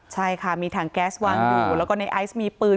ใช่ค่ะมีถังแก๊สวางอยู่แล้วก็ในไอซ์มีปืน